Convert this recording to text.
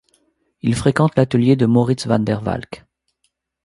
Il fréquente l'atelier de Maurits van der Valk.